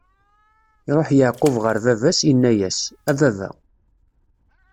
Iṛuḥ Yeɛqub ɣer baba-s, inna-yas: A baba!